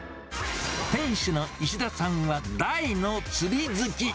店主の石田さんは大の釣り好き。